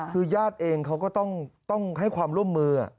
คือญาติเองเขาก็ต้องให้ความร่วมมือ